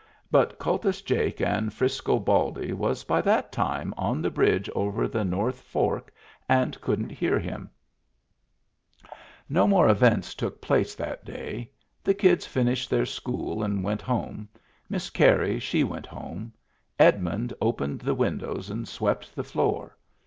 But Kul tus Jake and Frisco Baldy was by that time on Digitized by Google WHERE IT WAS 261 the bridge over the North Fork, and couldn't hear hinu No more events took place that day. The kids finished their school and went home. Miss Carey she went home. Edmund opened the win dows and swept the floor.